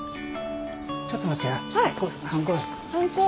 ちょっと待ってな。